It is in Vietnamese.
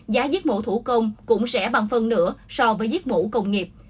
giá giết mổ thủ công cũng sẽ bằng phân nữa so với giết mổ công nghiệp